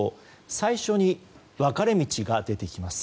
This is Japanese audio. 最初に分かれ道が出てきます。